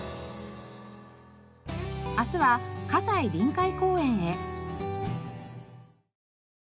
明日は西臨海公園へ。